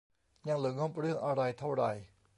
ยังเหลืองบเรื่องอะไรเท่าไหร่